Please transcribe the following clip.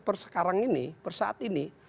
per sekarang ini per saat ini